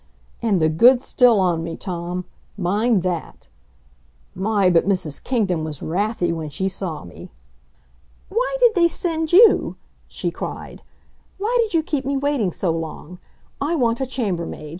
And the goods still on me, Tom, mind that. My, but Mrs. Kingdon was wrathy when she saw me! "Why did they send you?" she cried. "Why did you keep me waiting so long? I want a chambermaid.